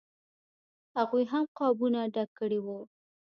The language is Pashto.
هغوی هم قابونه ډک کړي وو.